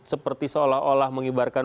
seperti seolah olah mengibarkan